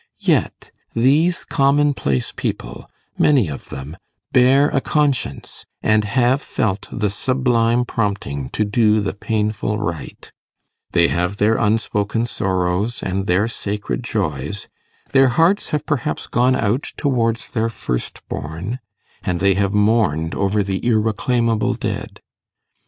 Yet these commonplace people many of them bear a conscience, and have felt the sublime prompting to do the painful right; they have their unspoken sorrows, and their sacred joys; their hearts have perhaps gone out towards their first born, and they have mourned over the irreclaimable dead.